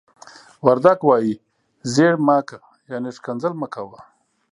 وردگ وايي: "زيَړِ مَ کَ." يعنې ښکنځل مه کوه.